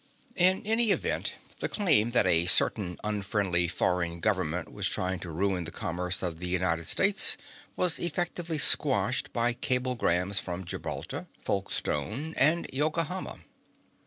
In any event, the claim that a certain unfriendly foreign government was trying to ruin the commerce of the United States was effectively squashed by cablegrams from Gibraltar, Folkestone, and Yokohama.